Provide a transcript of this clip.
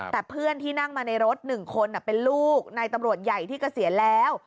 แต่เพื่อนที่นั่งมาในรถ๑คนเป็นลูกในตำรวจใหญ่ที่เกษียณแล้ว